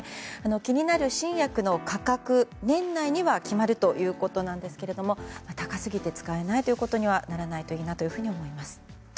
気になる新薬の価格、年内には決まるということなんですが高すぎて使えないということにならないといいなと思います。